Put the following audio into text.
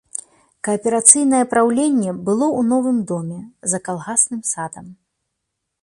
Кааперацыйнае праўленне было ў новым доме, за калгасным садам.